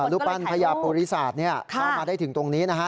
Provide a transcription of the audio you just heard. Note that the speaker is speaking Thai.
รูปปั้นพญาปริศาสตร์เข้ามาได้ถึงตรงนี้นะฮะ